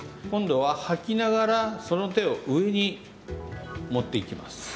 今度は吐きながらその手を上に持っていきます。